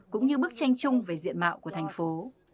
cũng như bức tranh chung về diện mạo của thành phố